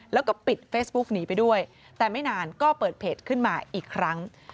แล้วก็ปิดเฟซบุ๊กหนีไปด้วยแต่ไม่นานก็เปิดเพจขึ้นมาอีกครั้ง